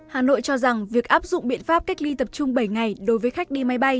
hà nội cho rằng việc áp dụng biện pháp cách ly tập trung bảy ngày đối với khách đi máy bay